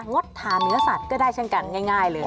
ดทานเนื้อสัตว์ก็ได้เช่นกันง่ายเลย